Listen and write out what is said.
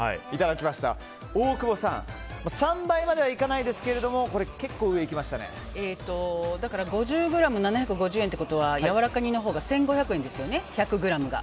大久保さん３倍まではいかないですが５０ｇ、７５０円ってことはやわらか煮のほうが１５００円ですよね、１００ｇが。